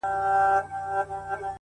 • مُلا سړی سو؛ اوس پر لاره د آدم راغلی؛